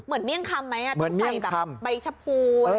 เมี่ยงคำไหมต้องใส่แบบใบชะพู